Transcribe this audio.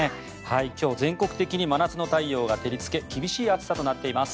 今日、全国的に真夏の太陽が照りつけ厳しい暑さとなっています。